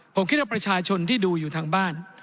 ผมคิดว่าประชาชนที่ดูอยู่ทางบ้าน